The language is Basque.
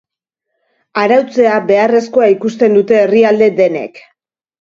Arautzea beharrezkoa ikusten dute herrialde denek.